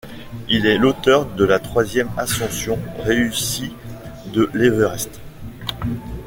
Il est l’auteur de la troisième ascension réussie de l'Everest.